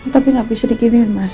tapi aku gak bisa diginiin mas